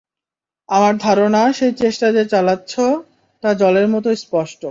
আমার ধারণা সেই চেষ্টা যে চালাচ্ছো, তা জলের মতো স্পষ্ট।